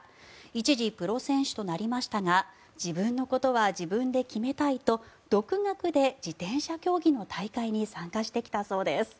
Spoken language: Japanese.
一時、プロ選手となりましたが自分のことは自分で決めたいと独学で自転車競技の大会に参加してきたそうです。